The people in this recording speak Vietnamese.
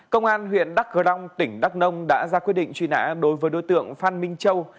công an huyện đắc cờ long tỉnh đắc nông đã ra quyết định truy nã đối với đối tượng phan minh châu